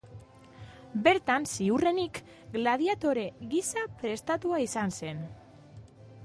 Bertan, ziurrenik, gladiatore gisa prestatua izan zen.